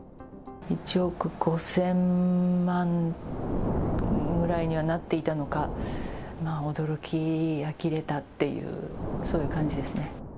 １億５０００万ぐらいにはなっていたのか、驚きあきれたっていう、そういう感じですね。